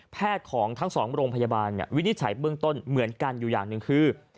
ของทั้งสองโรงพยาบาลวินิจฉัยเบื้องต้นเหมือนกันอยู่อย่างหนึ่งคือ